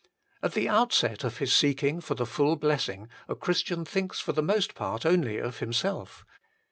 At the outset of His seeking for the full blessing a Christian thinks for the most part only of himself.